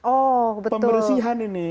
oh betul pembersihan ini